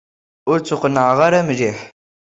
Ur ttuqennɛeɣ ara mliḥ.